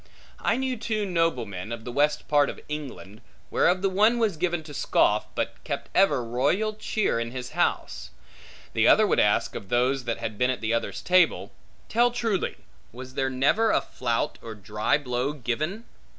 I knew two noblemen, of the west part of England, whereof the one was given to scoff, but kept ever royal cheer in his house; the other would ask, of those that had been at the other's table, Tell truly, was there never a flout or dry blow given?